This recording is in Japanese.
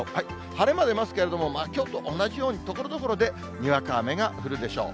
晴れ間出ますけれども、きょうと同じように、ところどころでにわか雨が降るでしょう。